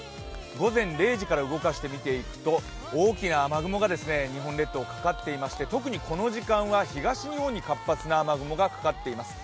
午前０時から動かして見ていくと大きな雨雲が日本列島かかっていまして、特にこの時間は東日本に活発な雨雲がかかっています。